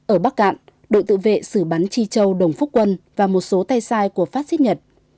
ở bắc cạn đội tự vệ xử bắn chi châu đồng phúc quân và một số tay sai của pháp xích nhật